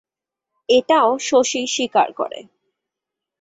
এটাও শশী স্বীকার করে।